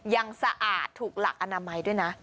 สะอาดถูกหลักอนามัยด้วยนะ